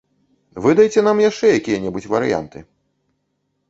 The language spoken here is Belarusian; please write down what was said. Выдайце нам яшчэ якія-небудзь варыянты!